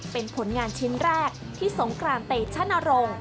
เป็นผลงานชิ้นแรกที่สงกรานเตชนรงค์